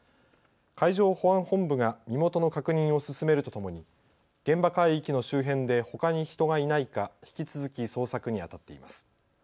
海上保安本部が身元の確認を進めるとともに現場海域の周辺でほかに人がいないか引き続き捜索にあたっています。